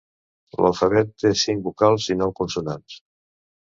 L'alfabet té cinc vocals i nou consonants.